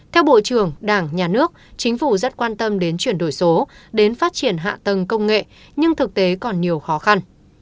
theo bộ trưởng đảng nhà nước chính phủ rất quan tâm đến chuyển đổi số đến phát triển hạ tầng công nghệ nhưng thực tế còn nhiều khó khăn